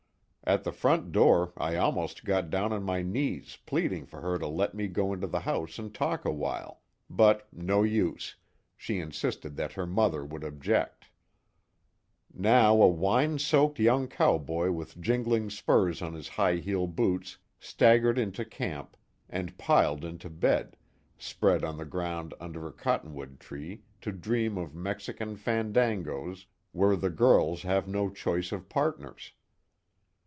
At the front door, I almost got down on my knees pleading for her to let me go into the house and talk awhile, but no use, she insisted that her mother would object. Now a wine soaked young cowboy with jingling spurs on his high heel boots, staggered into camp and "piled" into bed, spread on the ground under a cottonwood tree, to dream of Mexican "Fandangos," where the girls have no choice of partners.